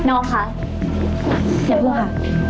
น้องค่ะอย่าพูดมา